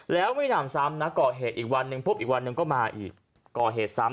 แล้วไม่หนำซ้ำนะก่อเหตุอีกวันหนึ่งปุ๊บอีกวันหนึ่งก็มาอีกก่อเหตุซ้ำ